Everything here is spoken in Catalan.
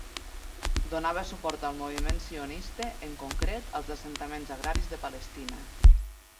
Donava suport al moviment sionista, en concret als assentaments agraris de Palestina.